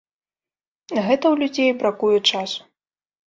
На гэта ў людзей бракуе часу.